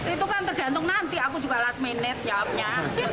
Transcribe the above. itu kan tergantung nanti aku juga last minute jawabnya